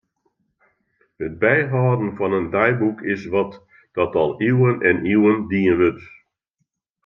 It byhâlden fan in deiboek is wat dat al iuwen en iuwen dien wurdt.